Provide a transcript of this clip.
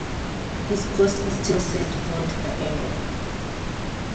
His ghost is still said to haunt the area.